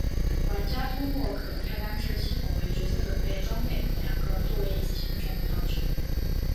玩家通过可菜单制系统为角色准备装备和两个多为一次性的战斗道具。